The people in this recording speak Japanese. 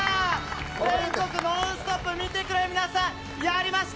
全国、「ノンストップ！」を見てくれる皆さんやりました！